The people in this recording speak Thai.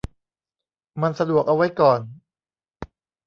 มันสะดวกเอาไว้ก่อน